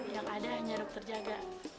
yang ada hanya dokter jaga